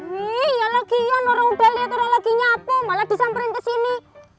nih ya lagian orang belia terang laginya aku malah disamperin kesini